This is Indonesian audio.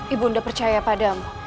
ibu nda percaya padamu